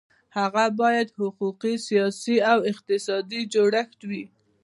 هغه باید حقوقي، سیاسي او اقتصادي جوړښت وي.